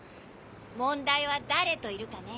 問題は誰といるかね。